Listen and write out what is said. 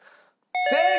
正解！